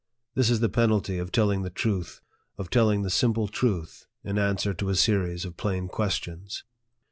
This is the penalty of telling the truth, of telling the simple truth, in answer to a series of plain questions.